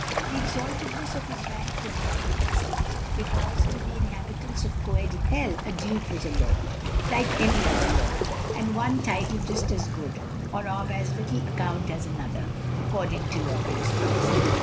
' The exaltedness of his rank did not impress them, because to the inhabitants of Coed Ithel a duke was a lord, like any other lord, and one title just as good or of as little account as another, according to your principles.